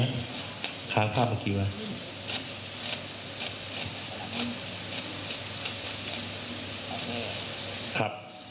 ต่อมาเวลา๒๒๓๓กว่า